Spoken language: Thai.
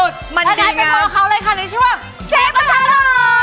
ถ้าได้เป็นต่อเขาเลยค่ะนี้ชื่อว่าเชฟประทะหรอก